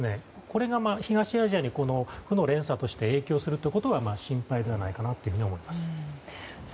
これが東アジアに負の連鎖として影響するということは心配じゃないかと思っています。